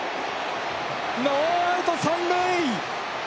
ノーアウト、三塁！